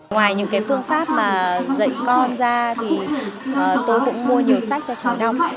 ngoài những cái phương pháp mà dạy con ra thì tôi cũng mua nhiều sách cho cháu đọc